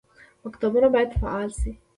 مکتبونه باید فعال شي